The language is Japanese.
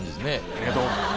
ありがとう。